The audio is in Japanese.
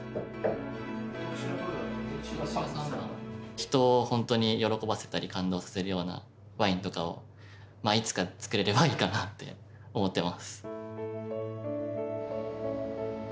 人をほんとに喜ばせたり感動させるようなワインとかをまあいつか作れればいいかなって思ってます。